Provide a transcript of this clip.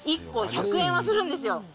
１個１００円はするんですよ。